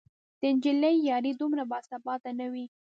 د نجلۍ یاري دومره باثباته نه وي